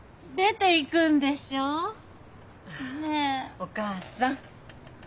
お義母さん。